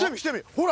ほら。